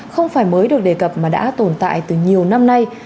không phải mới được đề cập mà đã tồn tại từ nhiều năm nay